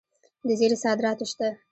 د زیرې صادرات شته.